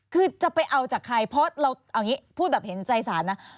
คือจะไปเอาจากใครเพราะเราเอาอย่างนี้พูดแบบเห็นใจสารนะ